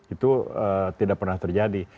itu tidak pernah terjadi